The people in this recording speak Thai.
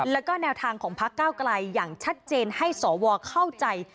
แล้วก็แนวทางของพักเก้าไกลอย่างชัดเจนให้สวเข้าใจ